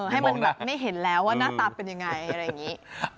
ให้มันแบบไม่เห็นแล้วว่าหน้าตาเป็นยังไงอะไรอย่างนี้